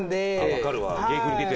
分かるわ。